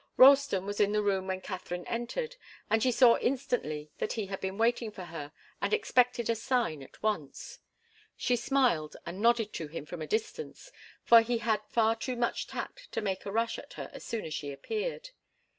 Ralston was in the room when Katharine entered, and she saw instantly that he had been waiting for her and expected a sign at once. She smiled and nodded to him from a distance, for he had far too much tact to make a rush at her as soon as she appeared.